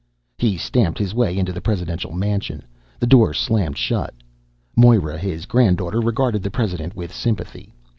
He stamped his way into the presidential mansion. The door slammed shut. Moira, his granddaughter, regarded the president with sympathy.